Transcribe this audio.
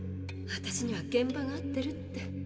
私には現場が合ってるって。